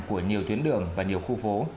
của nhiều tuyến đường và nhiều khu phố